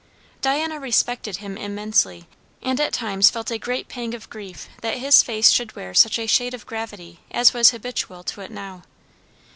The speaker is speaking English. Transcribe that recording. Diana respected him immensely; and at times felt a great pang of grief that his face should wear such a shade of gravity as was habitual to it now.